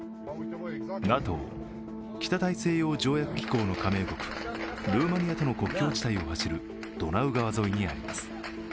ＮＡＴＯ＝北大西洋条約機構の加盟国ルーマニアとの国境地帯を走るドナウ川沿いにあります。